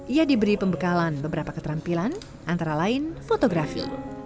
ia diberi pembekalan beberapa keterampilan antara lain fotografi